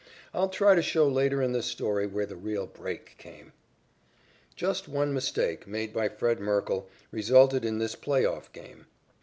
I'll try to show later in this story where the real "break" came. Just one mistake, made by "Fred" Merkle, resulted in this play off game.